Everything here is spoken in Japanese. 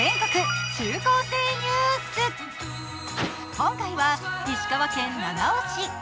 今回は、石川県七尾市。